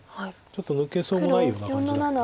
ちょっと抜けそうもないような感じだけど。